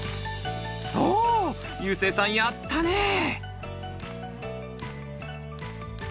ゆうせいさんやったね！